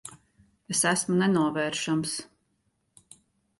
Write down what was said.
Es esmu nenovēršams.